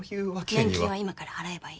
年金は今から払えばいい。